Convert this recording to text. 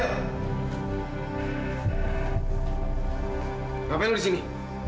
apa yang kamu lakukan di sini